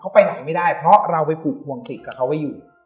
เขาไปไหนไม่ได้เพราะเราไปผูกห่วงจิตกับเขาไว้อยู่